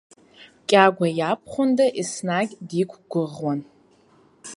Кьагәа иабхәында еснагь диқәгәыӷуан.